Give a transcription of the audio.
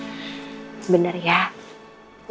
tante itu inget terus sama anak tante